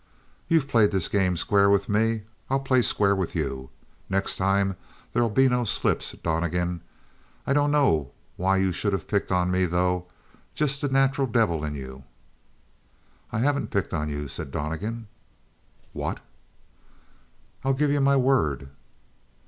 "You've played this game square with me; I'll play square with you. Next time there'll be no slips, Donnegan. I dunno why you should of picked on me, though. Just the natural devil in you." "I haven't picked on you," said Donnegan. "What?" "I'll give you my word."